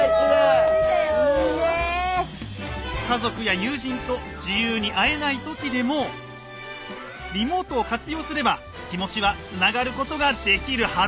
家族や友人と自由に会えない時でもリモートを活用すれば気持ちはつながることができるはず。